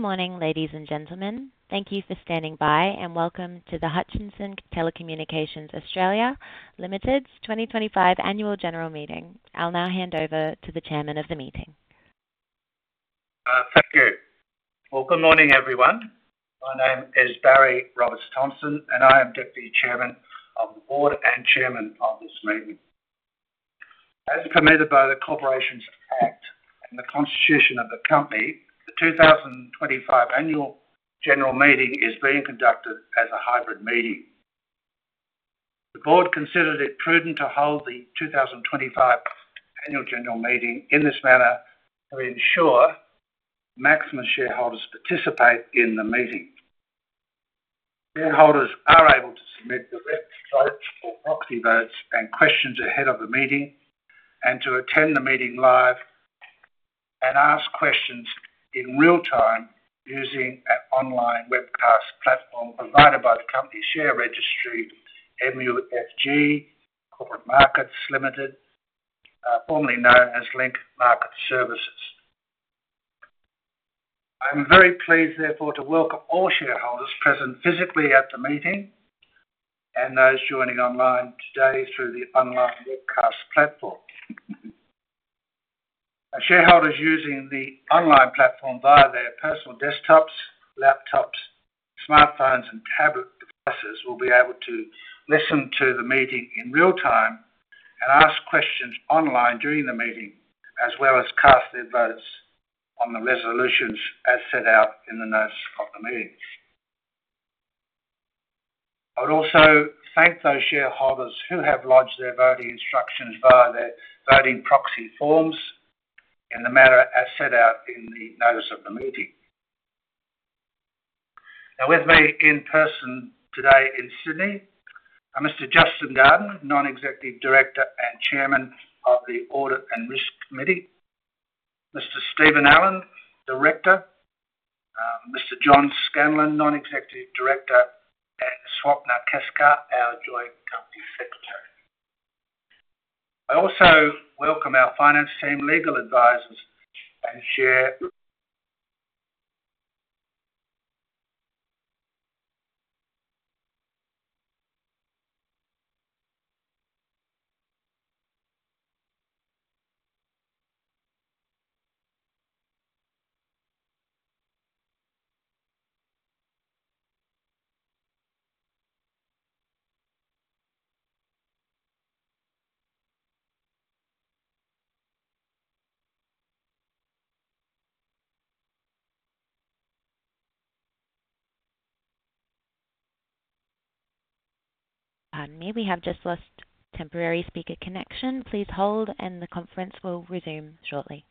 Good morning, ladies and gentlemen. Thank you for standing by, and welcome to the Hutchison Telecommunications Australia Ltd 2025 Annual General Meeting. I'll now hand over to the Chairman of the meeting. Thank you. Good morning, everyone. My name is Barry Roberts-Thomson, and I am Deputy Chairman of the Board and Chairman of this meeting. As permitted by the Corporations Act and the Constitution of the Company, the 2025 Annual General Meeting is being conducted as a hybrid meeting. The Board considered it prudent to hold the 2025 Annual General Meeting in this manner to ensure maximum shareholders participate in the meeting. Shareholders are able to submit direct votes or proxy votes and questions ahead of the meeting, and to attend the meeting live and ask questions in real-time using an online webcast platform provided by the company share registry, MUFG Corporate Markets Ltd, formerly known as Link Market Services. I'm very pleased, therefore, to welcome all shareholders present physically at the meeting and those joining online today through the online webcast platform. Shareholders using the online platform via their personal desktops, laptops, smartphones, and tablet devices will be able to listen to the meeting in real time and ask questions online during the meeting, as well as cast their votes on the resolutions as set out in the notes of the meeting. I would also thank those shareholders who have lodged their voting instructions via their voting proxy forms in the manner as set out in the notice of the meeting. Now, with me in person today in Sydney are Mr. Justin Gardener, Non-Executive Director and Chairman of the Audit and Risk Committee, Mr. Stephen Allen, Director, Mr. John Scanlon, Non-Executive Director, and Swapna Keskar, our Joint Company Secretary. I also welcome our finance team, legal advisors, and share... May we have just last temporary speaker connection? Please hold, and the conference will resume shortly.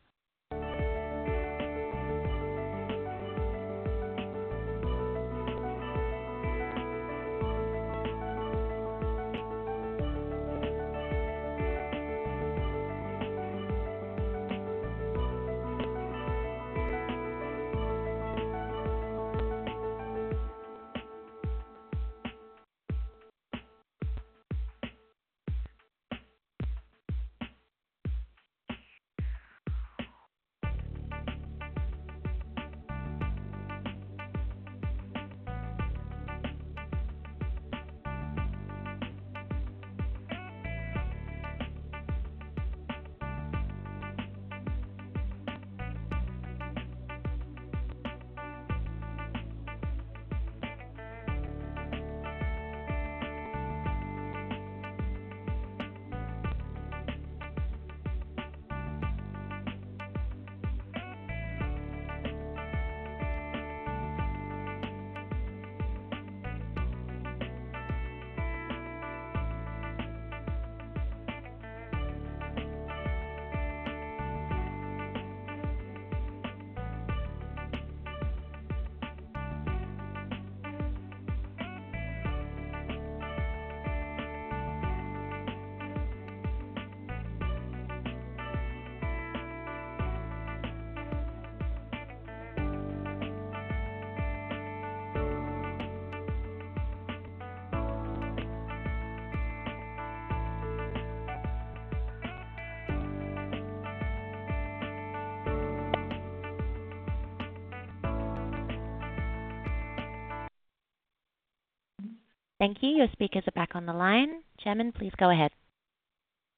Thank you. Your speakers are back on the line. Chairman, please go ahead.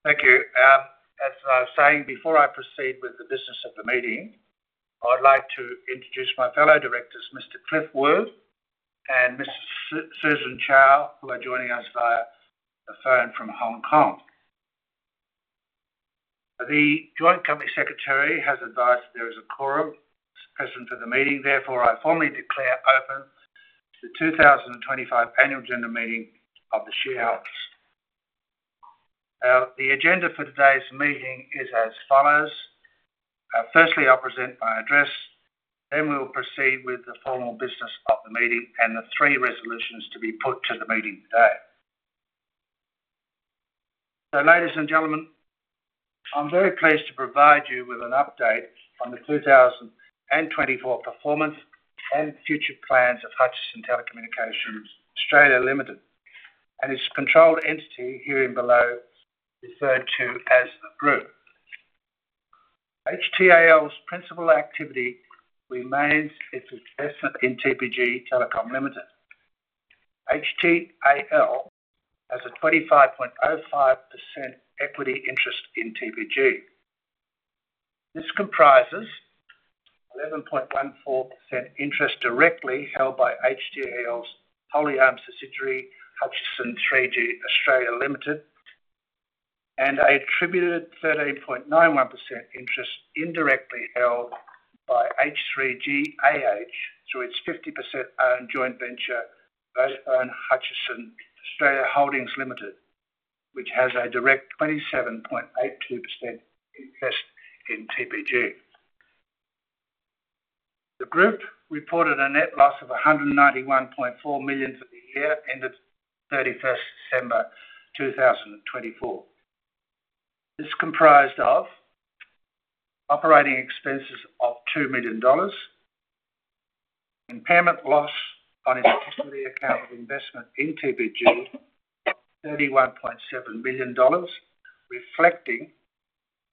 Thank you. As I was saying, before I proceed with the business of the meeting, I'd like to introduce my fellow directors, Mr. Cliff Woo and Ms. Susan Chow, who are joining us via the phone from Hong Kong. The Joint Company Secretary has advised there is a quorum present for the meeting. Therefore, I formally declare open the 2025 Annual General Meeting of the shareholders. Now, the agenda for today's meeting is as follows. Firstly, I'll present my address. Then we'll proceed with the formal business of the meeting and the three resolutions to be put to the meeting today. Ladies and gentlemen, I'm very pleased to provide you with an update on the 2024 performance and future plans of Hutchison Telecommunications Australia Ltd and its controlled entity, hereinafter referred to as the Group. HTAL's principal activity remains its investment in TPG Telecom Ltd. HTAL has a 25.05% equity interest in TPG. This comprises 11.14% interest directly held by HTAL's wholly-owned subsidiary, Hutchison 3G Australia Ltd, and a tribute of 13.91% interest indirectly held by H3GAH through its 50% owned joint venture, Vodafone Hutchison Australia Holdings Ltd, which has a direct 27.82% interest in TPG. The Group reported a net loss of 191.4 million for the year ended 31st December 2024. This comprised of operating expenses of 2 million dollars, impairment loss on its equity account of investment in TPG of 31.7 million dollars, reflecting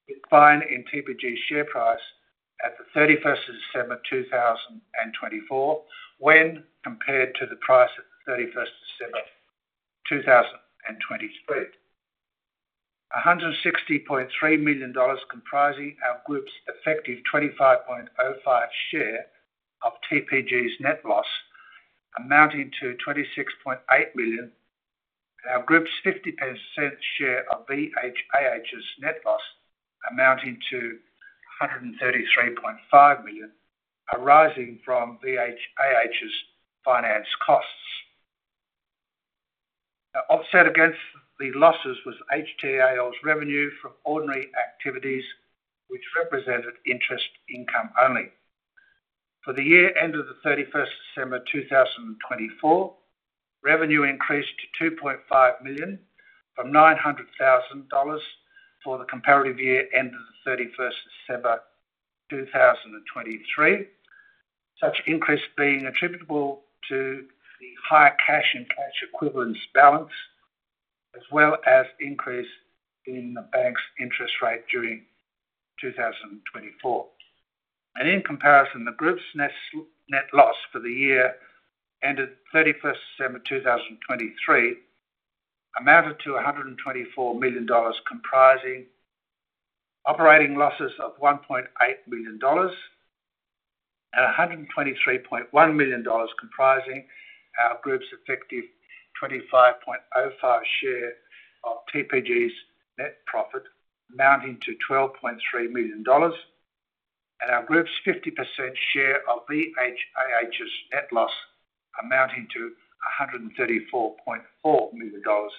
the decline in TPG's share price at the 31st of December 2024 when compared to the price at the 31st of December 2023, 160.3 million dollars comprising our Group's effective 25.05% share of TPG's net loss amounting to 26.8 million, our Group's 50% share of VHAH's net loss amounting to 133.5 million, arising from VHAH's finance costs. The offset against the losses was HTAL's revenue from ordinary activities, which represented interest income only. For the year ended the 31st of December 2024, revenue increased to 2.5 million from 900,000 dollars for the comparative year ended the 31st of December 2023, such increase being attributable to the high cash and cash equivalence balance, as well as increase in the bank's interest rate during 2024. In comparison, the Group's net loss for the year ended the 31st of December 2023 amounted to 124 million dollars, comprising operating losses of 1.8 million dollars and 123.1 million dollars, comprising our Group's effective 25.05% share of TPG's net profit amounting to 12.3 million dollars, and our Group's 50% share of VHAH's net loss amounting to 134.4 million dollars,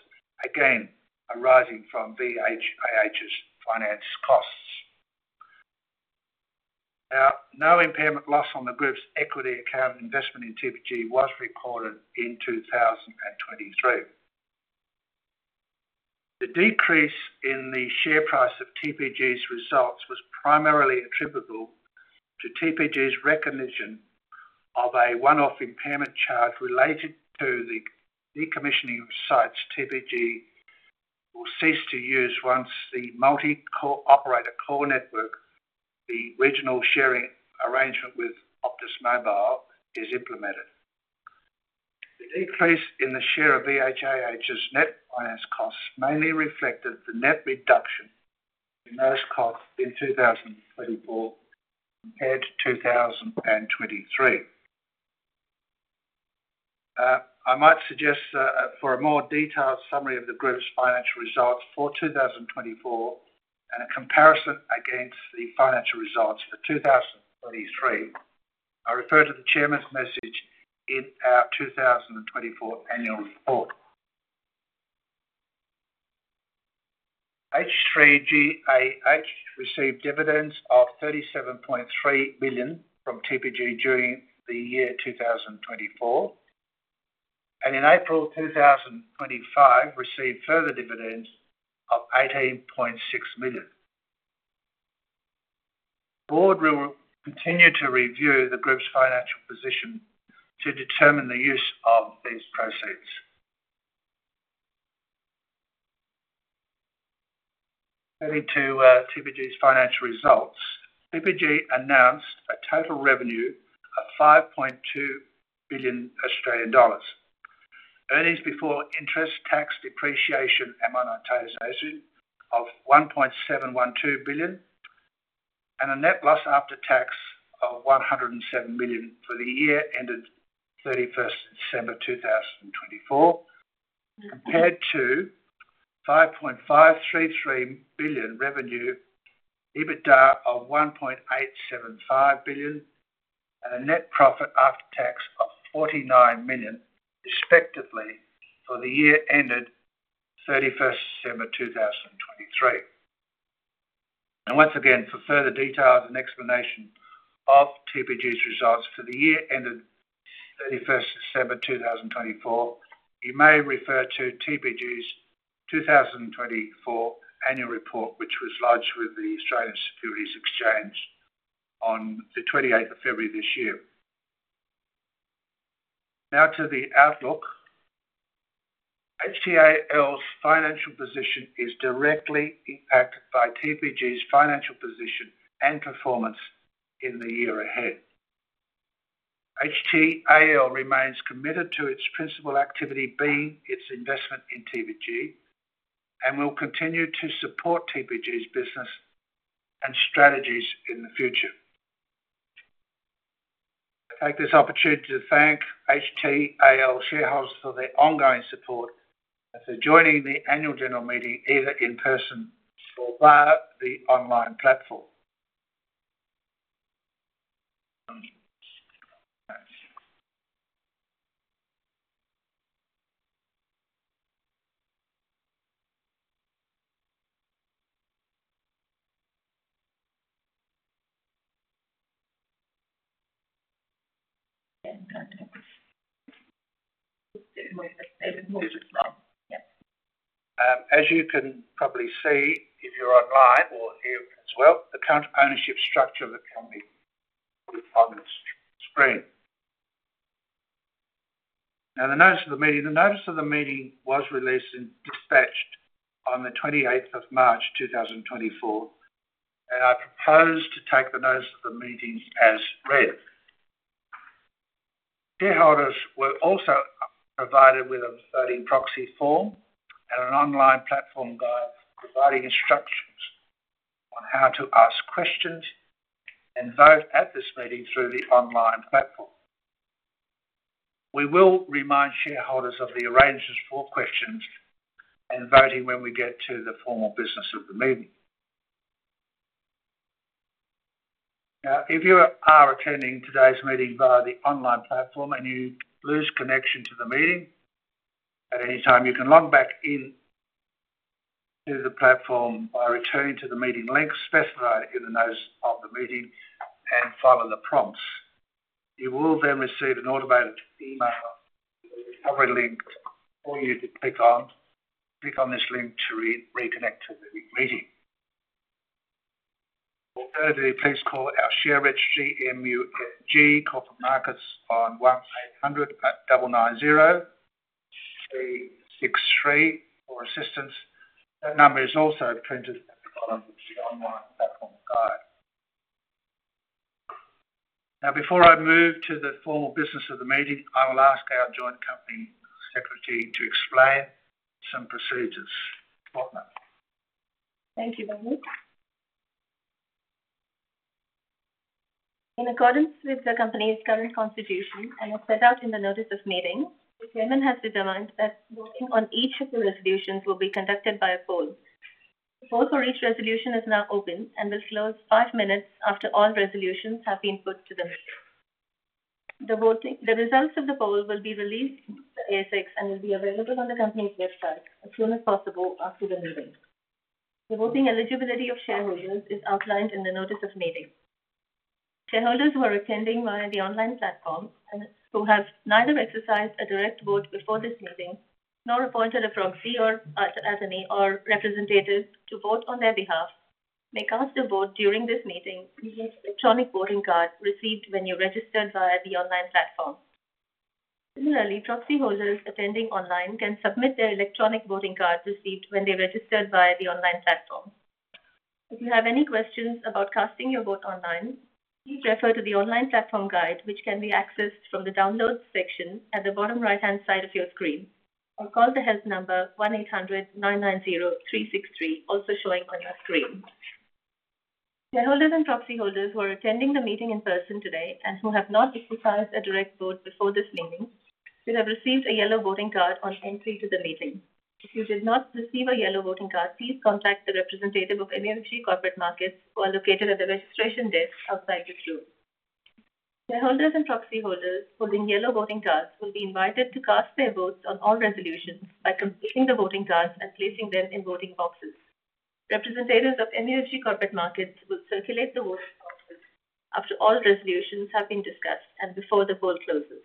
again arising from VHAH's finance costs. No impairment loss on the Group's equity account investment in TPG was reported in 2023. The decrease in the share price of TPG's results was primarily attributable to TPG's recognition of a one-off impairment charge related to the decommissioning of sites TPG will cease to use once the multi-core operator core network, the regional sharing arrangement with Optus Mobile, is implemented. The decrease in the share of VHAH's net finance costs mainly reflected the net reduction in those costs in 2024 compared to 2023. I might suggest for a more detailed summary of the Group's financial results for 2024 and a comparison against the financial results for 2023, I refer to the Chairman's message in our 2024 Annual Report. H3GAH received dividends of 37.3 million from TPG during the year 2024, and in April 2025, received further dividends of 18.6 million. The Board will continue to review the Group's financial position to determine the use of these proceeds. Adding to TPG's financial results, TPG announced a total revenue of 5.2 billion Australian dollars, earnings before interest, tax, depreciation, and amortization of 1.712 billion, and a net loss after tax of 107 million for the year ended 31st December 2024, compared to 5.533 billion revenue, EBITDA of 1.875 billion, and a net profit after tax of 49 million, respectively, for the year ended 31st December 2023. For further details and explanation of TPG's results for the year ended 31st December 2024, you may refer to TPG's 2024 Annual Report, which was lodged with the Australian Securities Exchange on the 28th of February this year. Now, to the outlook. HTAL's financial position is directly impacted by TPG's financial position and performance in the year ahead. HTAL remains committed to its principal activity being its investment in TPG and will continue to support TPG's business and strategies in the future. I take this opportunity to thank HTAL shareholders for their ongoing support and for joining the Annual General Meeting either in person or via the online platform. As you can probably see if you're online or here as well, the current ownership structure of the company is on the screen. Now, the notice of the meeting was released and dispatched on the 28th of March 2024, and I propose to take the notice of the meeting as read. Shareholders were also provided with a voting proxy form and an online platform guide providing instructions on how to ask questions and vote at this meeting through the online platform. We will remind shareholders of the arrangements for questions and voting when we get to the formal business of the meeting. Now, if you are attending today's meeting via the online platform and you lose connection to the meeting, at any time you can log back into the platform by returning to the meeting link specified in the notice of the meeting and follow the prompts. You will then receive an automated email with a recovery link for you to click on. Click on this link to reconnect to the meeting. Alternatively, please call our share registry MUFG Corporate Markets on 1800 990 363 for assistance. That number is also printed at the bottom of the online platform guide. Now, before I move to the formal business of the meeting, I will ask our Joint Company Secretary to explain some procedures. Thank you, Barry. In accordance with the company's current constitution and as set out in the notice of meeting, the Chairman has determined that voting on each of the resolutions will be conducted by a poll. The poll for each resolution is now open and will close five minutes after all resolutions have been put to the meeting. The results of the poll will be released on the ASX and will be available on the company's website as soon as possible after the meeting. The voting eligibility of shareholders is outlined in the notice of meeting. Shareholders who are attending via the online platform and who have neither exercised a direct vote before this meeting nor appointed a proxy or attorney or representative to vote on their behalf may cast a vote during this meeting using the electronic voting card received when you registered via the online platform. Similarly, proxy holders attending online can submit their electronic voting card received when they registered via the online platform. If you have any questions about casting your vote online, please refer to the online platform guide, which can be accessed from the downloads section at the bottom right-hand side of your screen, or call the help number 1800 990 363, also showing on your screen. Shareholders and proxy holders who are attending the meeting in person today and who have not exercised a direct vote before this meeting should have received a yellow voting card on entry to the meeting. If you did not receive a yellow voting card, please contact the representative of MUFG Corporate Markets Ltd who are located at the registration desk outside this room. Shareholders and proxy holders holding yellow voting cards will be invited to cast their votes on all resolutions by completing the voting cards and placing them in voting boxes. Representatives of MUFG Corporate Markets Ltd will circulate the voting boxes after all resolutions have been discussed and before the poll closes.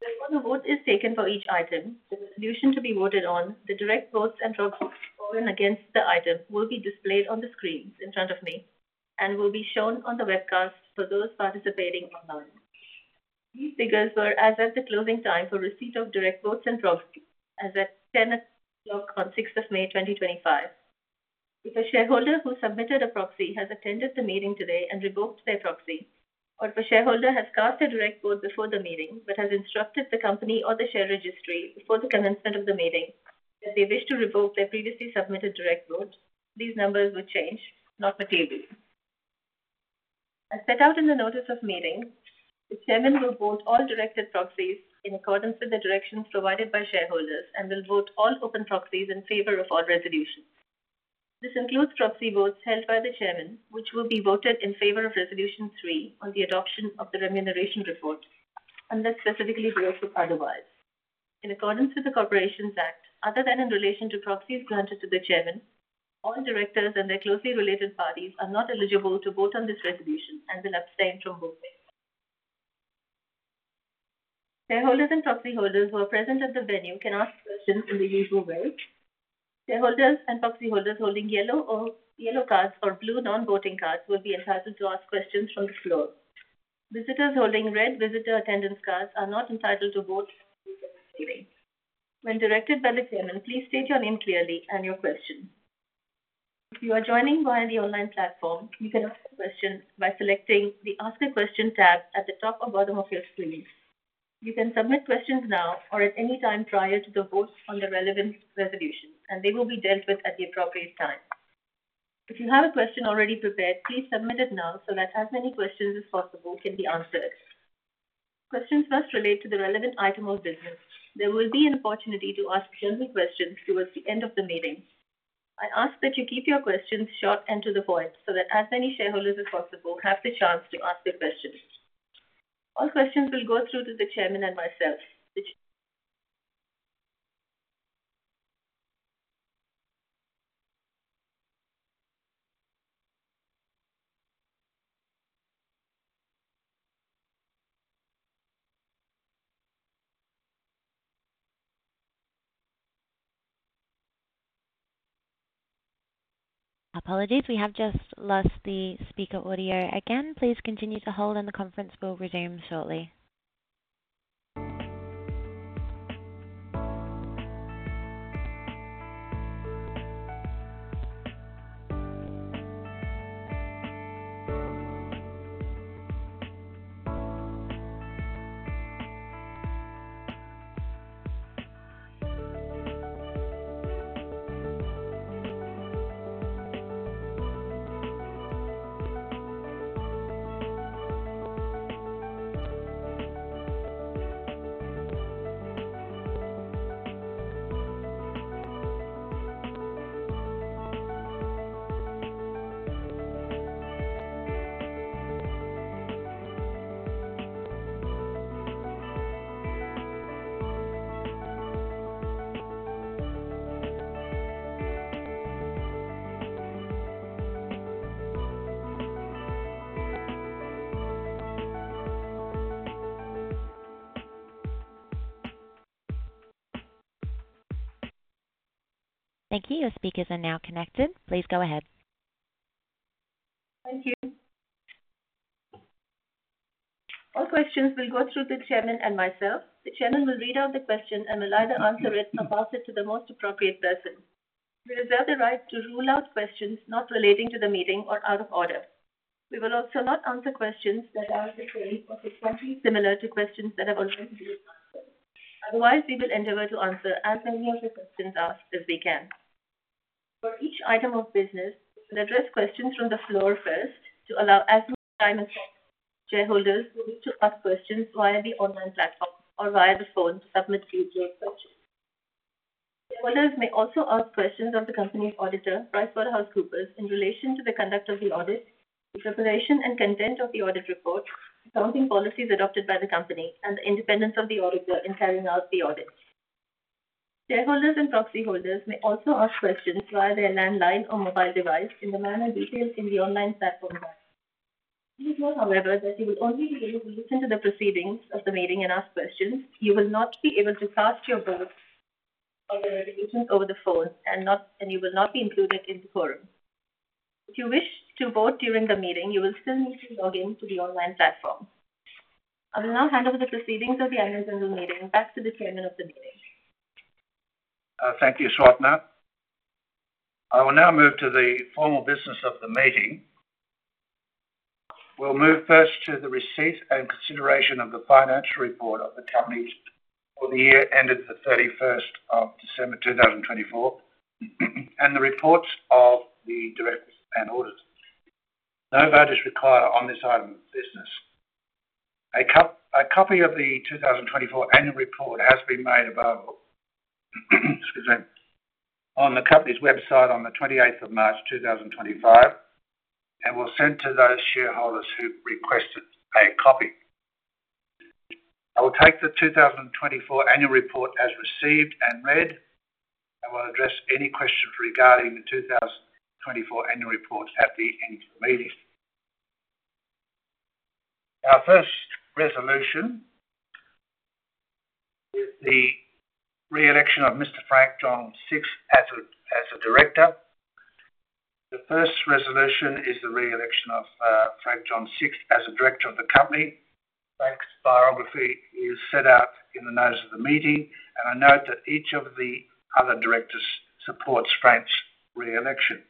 Before the vote is taken for each item, the resolution to be voted on, the direct votes and drawbacks for and against the item will be displayed on the screens in front of me and will be shown on the webcast for those participating online. These figures were as at the closing time for receipt of direct votes and drawbacks as at 10:00 A.M. on 6th of May 2025. If a shareholder who submitted a proxy has attended the meeting today and revoked their proxy, or if a shareholder has cast a direct vote before the meeting but has instructed the company or the share registry before the commencement of the meeting that they wish to revoke their previously submitted direct vote, these numbers will change, not materially. As set out in the notice of meeting, the Chairman will vote all directed proxies in accordance with the directions provided by shareholders and will vote all open proxies in favor of all resolutions. This includes proxy votes held by the Chairman, which will be voted in favor of Resolution three on the adoption of the remuneration report, unless specifically brokered otherwise. In accordance with the Corporations Act, other than in relation to proxies granted to the Chairman, all directors and their closely related parties are not eligible to vote on this resolution and will abstain from voting. Shareholders and proxy holders who are present at the venue can ask questions in the usual way. Shareholders and proxy holders holding yellow cards or blue non-voting cards will be entitled to ask questions from the floor. Visitors holding red visitor attendance cards are not entitled to vote in the meeting. When directed by the Chairman, please state your name clearly and your question. If you are joining via the online platform, you can ask a question by selecting the Ask a Question tab at the top or bottom of your screen. You can submit questions now or at any time prior to the votes on the relevant resolutions, and they will be dealt with at the appropriate time. If you have a question already prepared, please submit it now so that as many questions as possible can be answered. Questions must relate to the relevant item of business. There will be an opportunity to ask general questions towards the end of the meeting. I ask that you keep your questions short and to the point so that as many shareholders as possible have the chance to ask the questions. All questions will go through to the Chairman and myself. Apologies, we have just lost the speaker audio again. Please continue to hold, and the conference will resume shortly. Thank you. Your speakers are now connected. Please go ahead. Thank you. All questions will go through the Chairman and myself. The Chairman will read out the question and will either answer it or pass it to the most appropriate person. We reserve the right to rule out questions not relating to the meeting or out of order. We will also not answer questions that are the same or seem similar to questions that have already been answered. Otherwise, we will endeavor to answer as many of the questions asked as we can. For each item of business, we will address questions from the floor first to allow as much time as possible. Shareholders will need to ask questions via the online platform or via the phone to submit future questions. Shareholders may also ask questions of the company's auditor, PricewaterhouseCoopers, in relation to the conduct of the audit, the preparation and content of the audit report, accounting policies adopted by the company, and the independence of the auditor in carrying out the audit. Shareholders and proxy holders may also ask questions via their landline or mobile device in the manner detailed in the online platform guide. Please note, however, that you will only be able to listen to the proceedings of the meeting and ask questions. You will not be able to cast your vote on the resolutions over the phone, and you will not be included in the forum. If you wish to vote during the meeting, you will still need to log in to the online platform. I will now hand over the proceedings of the Annual General Meeting back to the Chairman of the meeting. Thank you, Swapna. I will now move to the formal business of the meeting. We'll move first to the receipt and consideration of the financial report of the company for the year ended the 31st of December 2024 and the reports of the directors and auditors. No vote is required on this item of business. A copy of the 2024 annual report has been made available on the company's website on the 28th of March 2025 and was sent to those shareholders who requested a copy. I will take the 2024 annual report as received and read and will address any questions regarding the 2024 annual report at the end of the meeting. Our first resolution is the re-election of Mr. Frank John Sixt as a director. The first resolution is the re-election of Frank John Sixt as a director of the company. Frank's biography is set out in the notice of the meeting, and I note that each of the other directors supports Frank's re-election.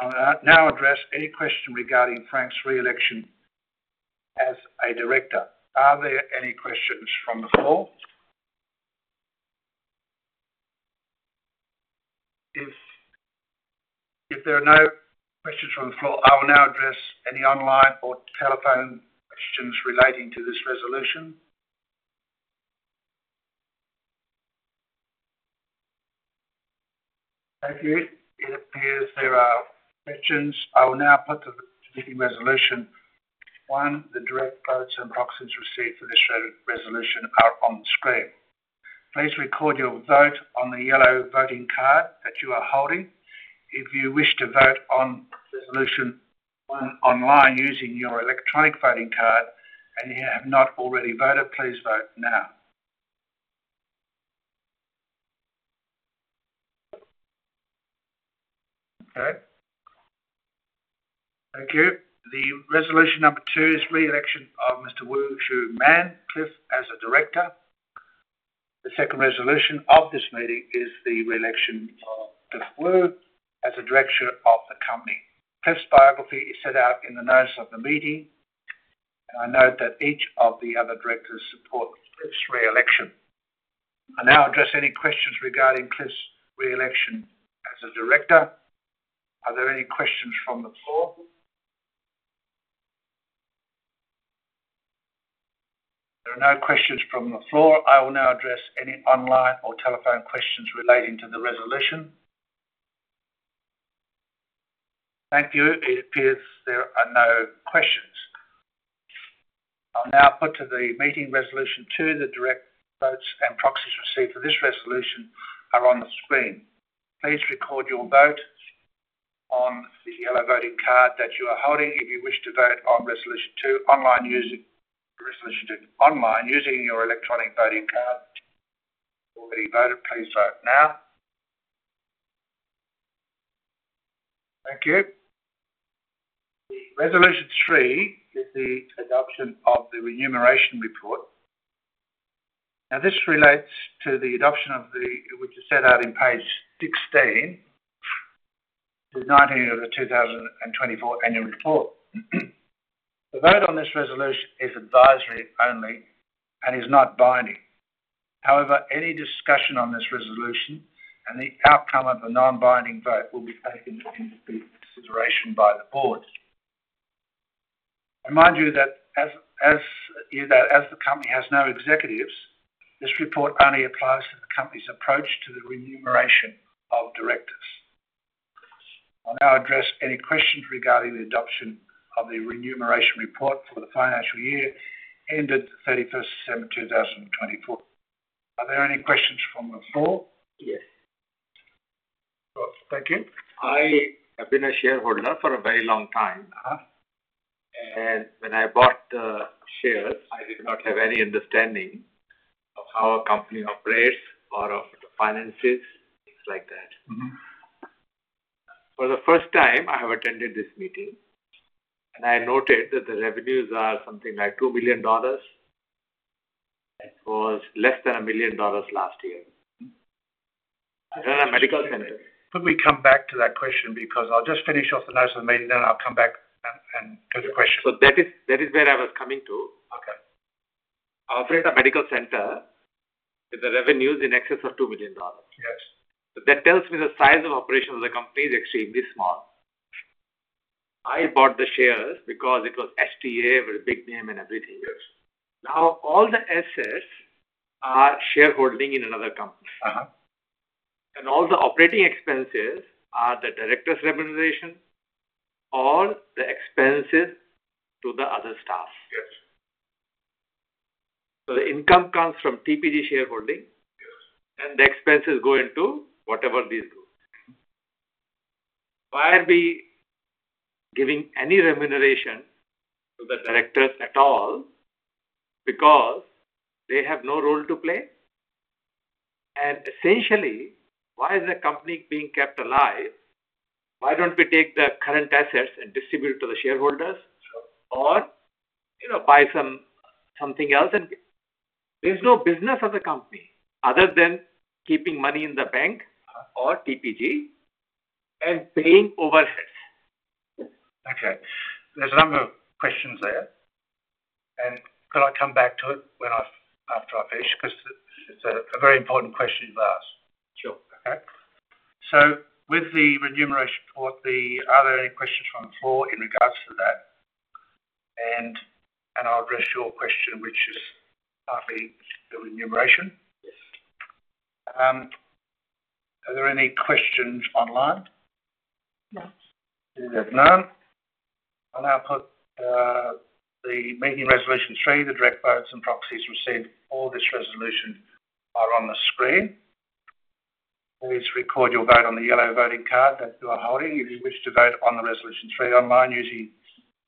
I will now address any question regarding Frank's re-election as a director. Are there any questions from the floor? If there are no questions from the floor, I will now address any online or telephone questions relating to this resolution. Thank you. It appears there are questions. I will now put the meeting resolution one. The direct votes and proxies received for this resolution are on the screen. Please record your vote on the yellow voting card that you are holding. If you wish to vote on resolution one online using your electronic voting card and you have not already voted, please vote now. Okay. Thank you. The resolution number two is re-election of Mr. Woo Chui Man, Cliff as a director. The second resolution of this meeting is the re-election of Cliff Woo as a director of the company. Cliff's biography is set out in the notice of the meeting, and I note that each of the other directors support Cliff's re-election. I now address any questions regarding Cliff's re-election as a director. Are there any questions from the floor? There are no questions from the floor. I will now address any online or telephone questions relating to the resolution. Thank you. It appears there are no questions. I'll now put to the meeting resolution two. The direct votes and proxies received for this resolution are on the screen. Please record your vote on the yellow voting card that you are holding. If you wish to vote on resolution two online using your electronic voting card or voted, please vote now. Thank you. The resolution three is the adoption of the remuneration report. Now, this relates to the adoption of the remuneration report which is set out in page 16 to 19 of the 2024 annual report. The vote on this resolution is advisory only and is not binding. However, any discussion on this resolution and the outcome of the non-binding vote will be taken into consideration by the board. I remind you that as the company has no executives, this report only applies to the company's approach to the remuneration of directors. I'll now address any questions regarding the adoption of the remuneration report for the financial year ended the 31st of December 2024. Are there any questions from the floor? Yes. Thank you. I have been a shareholder for a very long time, and when I bought the shares, I did not have any understanding of how a company operates or of the finances, things like that. For the first time, I have attended this meeting, and I noted that the revenues are something like 2 million dollars. It was less than 1 million dollars last year. I run a medical center. Let me come back to that question because I'll just finish off the notice of the meeting, then I'll come back and go to questions. That is where I was coming to. I operate a medical center. The revenues in excess of 2 million dollars. That tells me the size of operations of the company is extremely small. I bought the shares because it was HTAL with a big name and everything. Now, all the assets are shareholding in another company, and all the operating expenses are the directors' remuneration or the expenses to the other staff. The income comes from TPG shareholding, and the expenses go into whatever these do. Why are we giving any remuneration to the directors at all? Because they have no role to play. Essentially, why is the company being kept alive? Why do we not take the current assets and distribute to the shareholders or buy something else? There is no business of the company other than keeping money in the bank or TPG and paying overheads. Okay. There are a number of questions there, and can I come back to it after I finish? Because it is a very important question you have asked. Sure. Okay. With the remuneration report, are there any questions from the floor in regards to that? I'll address your question, which is partly the remuneration. Yes. Are there any questions online? No. There's none. I'll now put the meeting resolution three, the direct votes and proxies received, all this resolution are on the screen. Please record your vote on the yellow voting card that you are holding. If you wish to vote on the resolution three online using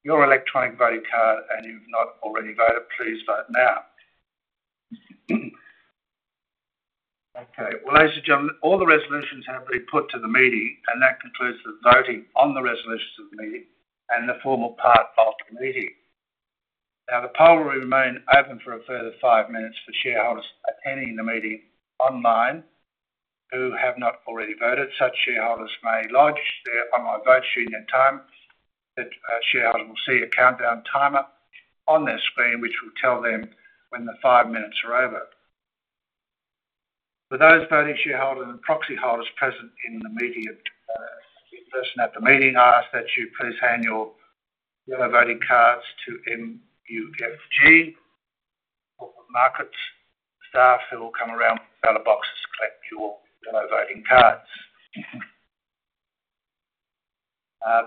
your electronic voting card and you've not already voted, please vote now. Okay. Ladies and gentlemen, all the resolutions have been put to the meeting, and that concludes the voting on the resolutions of the meeting and the formal part of the meeting. Now, the poll will remain open for a further five minutes for shareholders attending the meeting online who have not already voted. Such shareholders may lodge their online votes during that time. Shareholders will see a countdown timer on their screen, which will tell them when the five minutes are over. For those voting shareholders and proxy holders present in the meeting, the person at the meeting, I ask that you please hand your yellow voting cards to MUFG Corporate Markets staff who will come around with the ballot boxes to collect your yellow voting cards.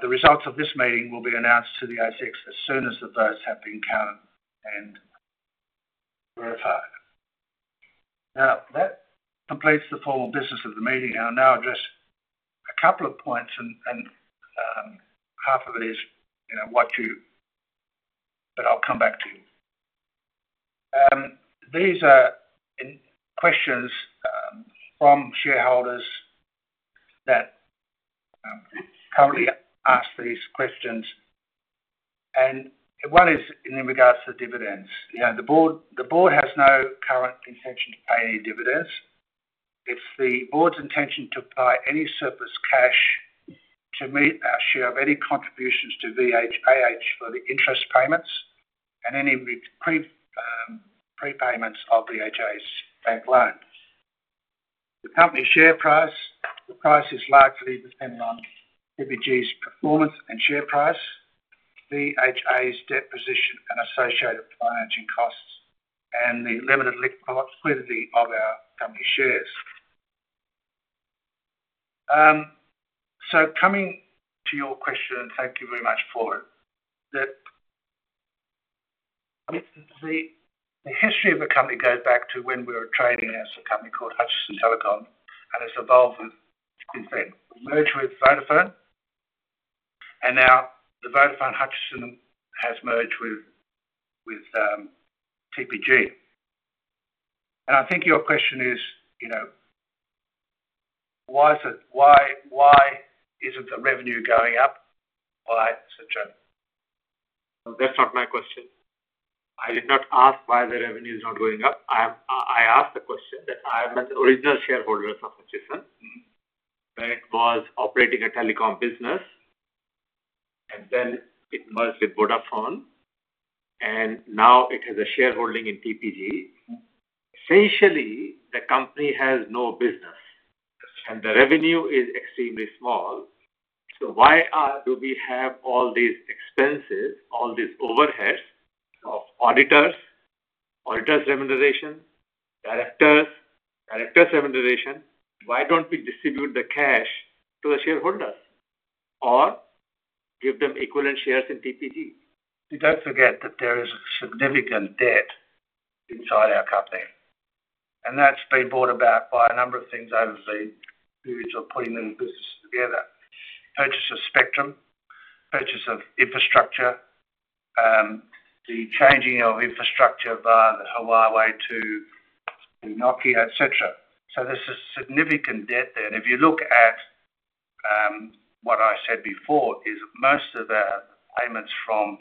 The results of this meeting will be announced to the ASX as soon as the votes have been counted and verified. Now, that completes the formal business of the meeting. I'll now address a couple of points, and half of it is what you but I'll come back to you. These are questions from shareholders that currently ask these questions. One is in regards to dividends. The board has no current intention to pay any dividends. It's the board's intention to apply any surplus cash to meet our share of any contributions to VHAH for the interest payments and any prepayments of VHAH's bank loan. The company's share price is largely dependent on TPG's performance and share price, VHAH's debt position and associated financing costs, and the limited liquidity of our company shares. Coming to your question, and thank you very much for it, the history of the company goes back to when we were trading as a company called Hutchison Telecom and has evolved since then. We merged with Vodafone, and now the Vodafone Hutchison has merged with TPG. I think your question is, why isn't the revenue going up by such a? That's not my question. I did not ask why the revenue is not going up. I asked the question that I am an original shareholder of Hutchison, that was operating a telecom business, and then it merged with Vodafone, and now it has a shareholding in TPG. Essentially, the company has no business, and the revenue is extremely small. Why do we have all these expenses, all these overheads of auditors, auditors' remuneration, directors' remuneration? Why don't we distribute the cash to the shareholders or give them equivalent shares in TPG? You do not forget that there is a significant debt inside our company, and that has been brought about by a number of things over the years of putting the business together: purchase of spectrum, purchase of infrastructure, the changing of infrastructure via the Huawei to Nokia, etc. There is a significant debt there. If you look at what I said before, most of the payments from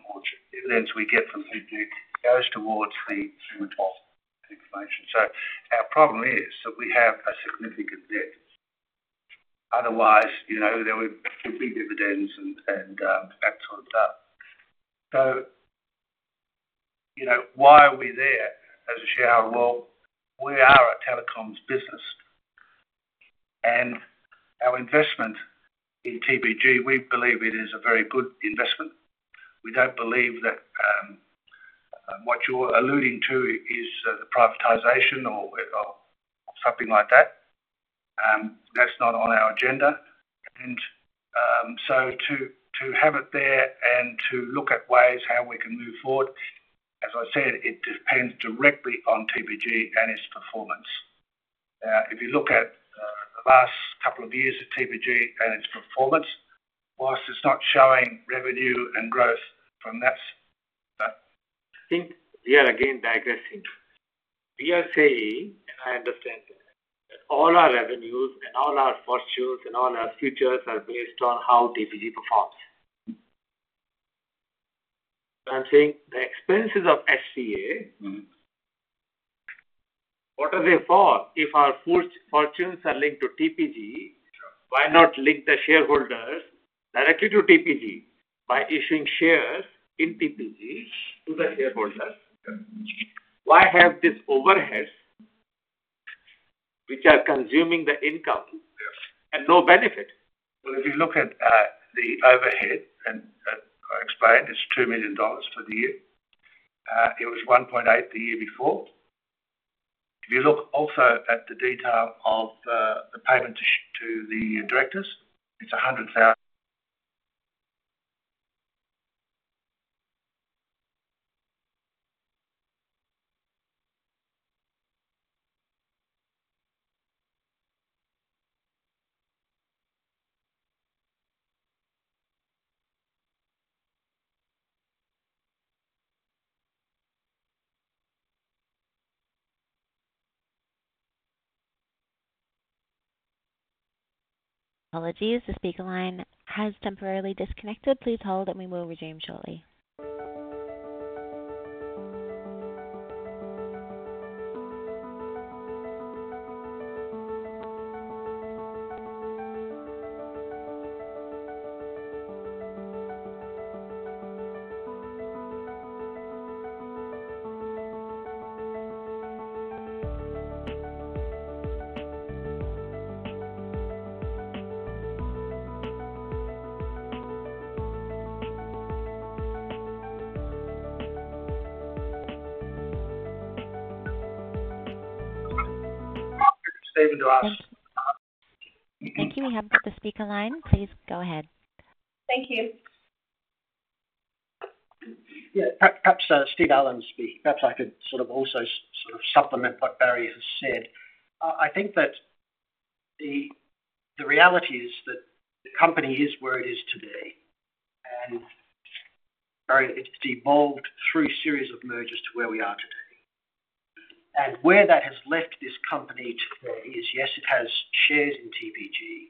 dividends we get from TPG goes towards the human cost information. Our problem is that we have a significant debt. Otherwise, there would be dividends and that sort of stuff. Why are we there as a shareholder? We are a telecoms business, and our investment in TPG, we believe it is a very good investment. We do not believe that what you are alluding to is the privatization or something like that. That is not on our agenda. To have it there and to look at ways how we can move forward, as I said, it depends directly on TPG and its performance. Now, if you look at the last couple of years of TPG and its performance, whilst it's not showing revenue and growth from that. I think, yet again, digressing, PSA, and I understand that all our revenues and all our fortunes and all our futures are based on how TPG performs. I'm saying the expenses of SG&A, what are they for? If our fortunes are linked to TPG, why not link the shareholders directly to TPG by issuing shares in TPG to the shareholders? Why have these overheads which are consuming the income and no benefit? If you look at the overhead and explain, it's 2 million dollars for the year. It was 1.8 million the year before. If you look also at the detail of the payment to the directors, it's 100,000. Apologies. The speaker line has temporarily disconnected. Please hold, and we will resume shortly. [You ask.] Thank you. We have the speaker line. Please go ahead. Thank you. Yeah. Perhaps Steve Allen speaking. Perhaps I could sort of also sort of supplement what Barry has said. I think that the reality is that the company is where it is today, and it has evolved through a series of mergers to where we are today. Where that has left this company today is, yes, it has shares in TPG,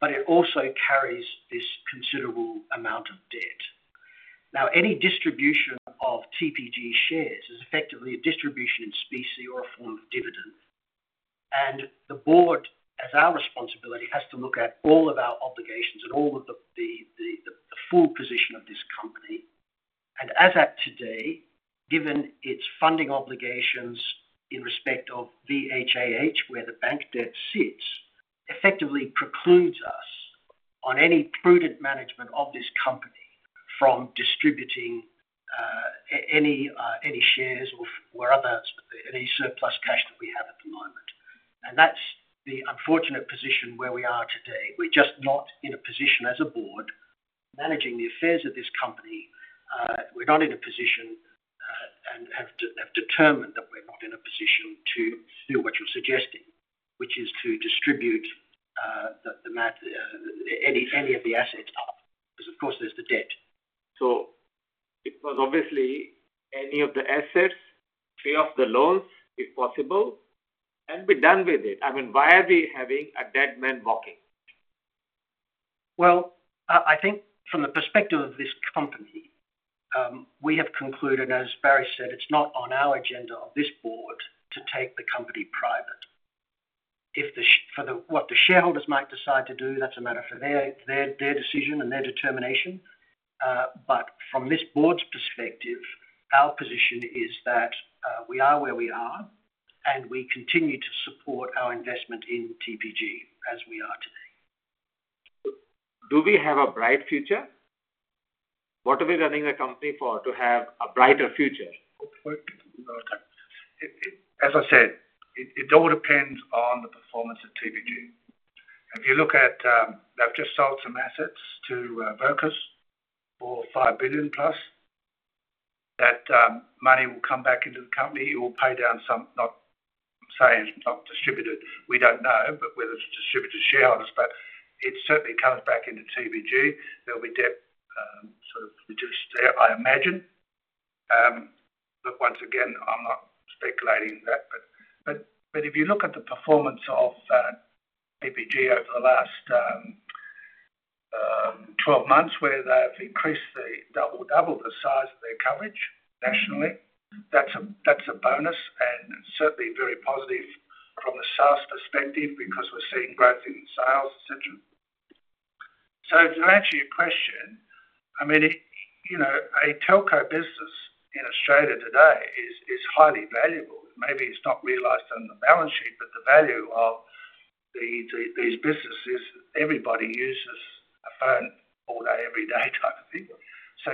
but it also carries this considerable amount of debt. Now, any distribution of TPG shares is effectively a distribution in specie or a form of dividend. The board, as our responsibility, has to look at all of our obligations and all of the full position of this company. As at today, given its funding obligations in respect of VHAH, where the bank debt sits, effectively precludes us on any prudent management of this company from distributing any shares or any surplus cash that we have at the moment. That is the unfortunate position where we are today. We are just not in a position as a board managing the affairs of this company. We are not in a position and have determined that we are not in a position to do what you are suggesting, which is to distribute any of the assets up because, of course, there is the debt. It was obviously any of the assets, free off the loans if possible, and be done with it. I mean, why are we having a dead man walking? I think from the perspective of this company, we have concluded, as Barry said, it's not on our agenda of this board to take the company private. For what the shareholders might decide to do, that's a matter for their decision and their determination. From this board's perspective, our position is that we are where we are, and we continue to support our investment in TPG as we are today. Do we have a bright future? What are we running the company for, to have a brighter future? As I said, it all depends on the performance of TPG. If you look at they've just sold some assets to Vocus for 5 billion plus, that money will come back into the company. It will pay down some, say, it's not distributed. We don't know, but whether it's distributed to shareholders, but it certainly comes back into TPG. There'll be debt sort of reduced, I imagine. Once again, I'm not speculating that. If you look at the performance of TPG over the last 12 months, where they've increased the double the size of their coverage nationally, that's a bonus and certainly very positive from a SaaS perspective because we're seeing growth in sales, etc. To answer your question, I mean, a telco business in Australia today is highly valuable. Maybe it's not realized on the balance sheet, but the value of these businesses, everybody uses a phone all day, every day type of thing.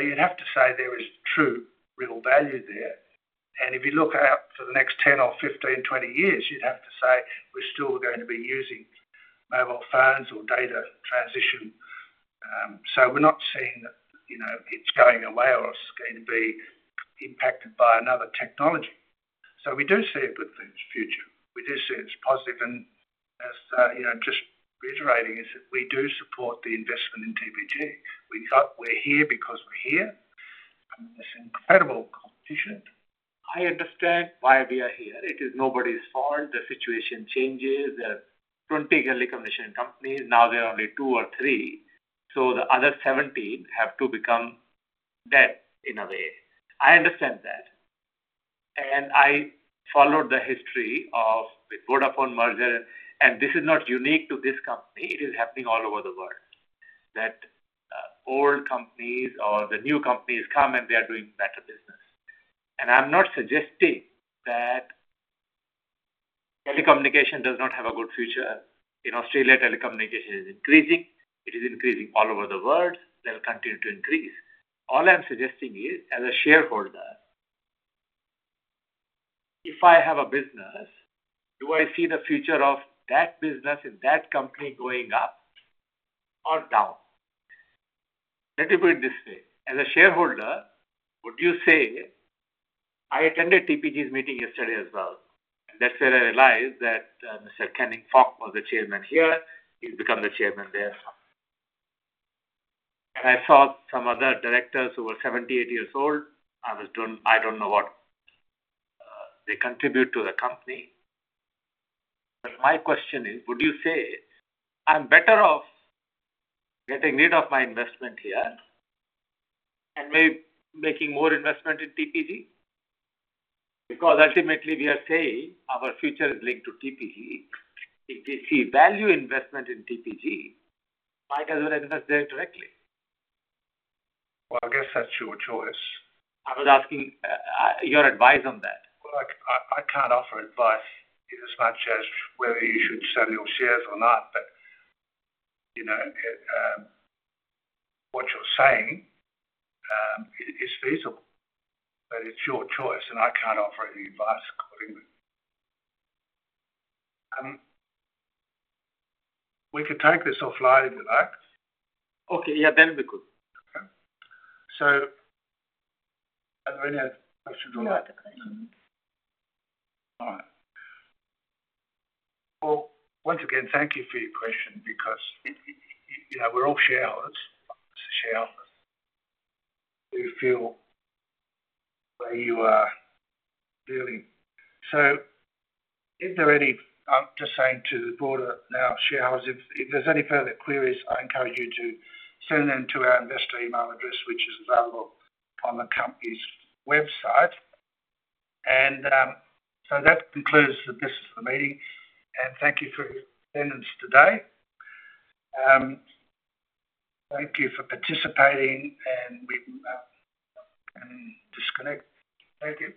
You'd have to say there is true real value there. If you look out for the next 10 or 15-20 years, you'd have to say we're still going to be using mobile phones or data transition. We're not seeing that it's going away or it's going to be impacted by another technology. We do see a good future. We do see it's positive. Just reiterating, we do support the investment in TPG. We're here because we're here. It's incredible competition. I understand why we are here. It is nobody's fault. The situation changes. There are 20 early commission companies. Now there are only two or three. The other 17 have to become dead in a way. I understand that. I followed the history of the Vodafone merger, and this is not unique to this company. It is happening all over the world that old companies or the new companies come and they are doing better business. I am not suggesting that telecommunication does not have a good future. In Australia, telecommunication is increasing. It is increasing all over the world. They will continue to increase. All I am suggesting is, as a shareholder, if I have a business, do I see the future of that business in that company going up or down? Let me put it this way. As a shareholder, would you say I attended TPG's meeting yesterday as well? That is where I realized that Mr. Canning Fok was the chairman here. He has become the chairman there. I saw some other directors who were 78 years old. I do not know what they contribute to the company. My question is, would you say I am better off getting rid of my investment here and maybe making more investment in TPG? Ultimately, we are saying our future is linked to TPG. If they see value investment in TPG, why does it not invest there directly? I guess that's your choice. I was asking your advice on that. I can't offer advice as much as whether you should sell your shares or not. What you're saying is feasible, but it's your choice, and I can't offer any advice accordingly. We could take this offline, if you like. Okay. Yeah, then we could. Okay. So are there any other questions? No other questions. All right. Once again, thank you for your question because we're all shareholders. It's a shareholder. You feel where you are dealing. If there are any—I am just saying to the board now, shareholders, if there's any further queries, I encourage you to send them to our investor email address, which is available on the company's website. That concludes the business of the meeting. Thank you for your attendance today. Thank you for participating, and we can disconnect. Thank you.